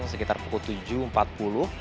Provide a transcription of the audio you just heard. sekitar pukul tujuh empat puluh